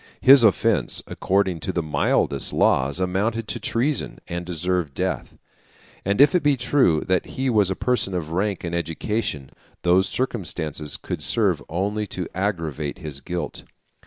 His offence, according to the mildest laws, amounted to treason, and deserved death. And if it be true that he was a person of rank and education, those circumstances could serve only to aggravate his guilt.